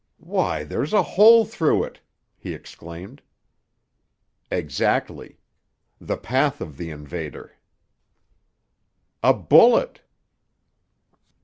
"Why, there's a hole through it!" he exclaimed. "Exactly: the path of the invader." "A bullet!"